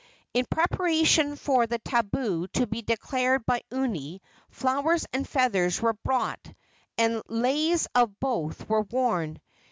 In preparation for the tabu to be declared by Umi, flowers and feathers were brought, and leis of both were woven.